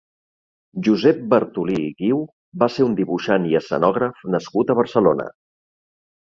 Josep Bartolí i Guiu va ser un dibuixant i escenògraf nascut a Barcelona.